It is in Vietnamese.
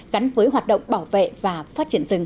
gắn với hoạt động bảo vệ và phát triển rừng